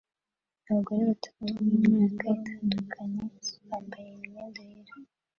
Abagore batatu b'imyaka itandukanye bambaye imyenda yera